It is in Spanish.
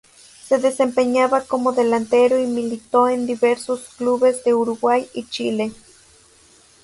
Se desempeñaba como delantero y militó en diversos clubes de Uruguay y Chile.